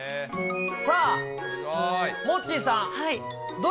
さあ、モッチーさん。